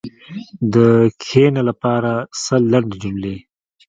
د “کښېنه” لپاره سل لنډې جملې: